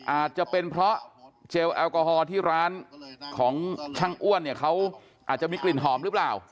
อาจจะเป็นเพราะเจลแอลกอฮอล์ที่ร้านของช่างอ้วนเนี่ยเขาอาจจะมีกลิ่นหอมหรือเปล่า